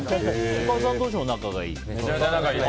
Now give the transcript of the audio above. お母さん同士も仲がいい？